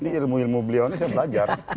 ini ilmu ilmu beliau ini saya belajar